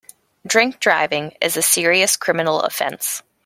Drink-driving is a serious criminal offence